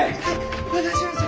お願いします。